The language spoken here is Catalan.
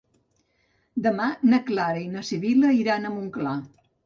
Demà na Clara i na Sibil·la iran a Montclar.